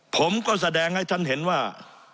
ผมก็แสดงให้ท่านเห็นว่า